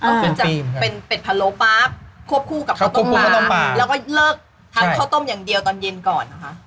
ก็คือจะเป็นเป็ดพะโลป๊าบควบคู่กับข้าวต้มหมูแล้วก็เลิกทำข้าวต้มอย่างเดียวตอนเย็นก่อนนะคะ